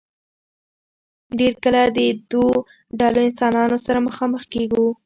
ډېر کله د دو ډلو انسانانو سره مخامخ کيږو